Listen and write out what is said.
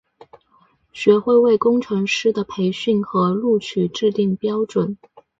学会为工程师的培训和录取制定标准。